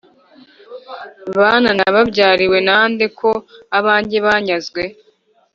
bana nababyariwe na nde ko abanjye banyazwe